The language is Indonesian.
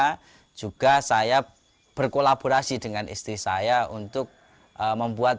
dan kemudian saya juga berkolaborasi dengan istri saya untuk membuat